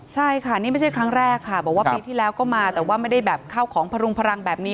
ใช่ค่ะนี่ไม่ใช่ครั้งแรกค่ะบอกว่าปีที่แล้วก็มาแต่ว่าไม่ได้แบบเข้าของพรุงพลังแบบนี้